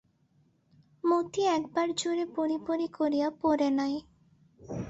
মতি একবার জুরে পড়ি পড়ি করিয়া পড়ে নাই।